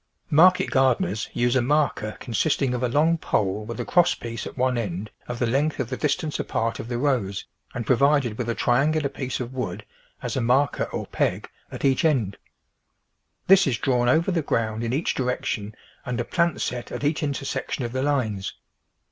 Market gardeners use a marker consisting of a long pole with a cross piece at one end of the length of the distance apart of the rows and provided with a triangular piece of wood, as a marker or peg, at each end. This is drawn over the ground in each direction and a plant set at each intersection of the lines.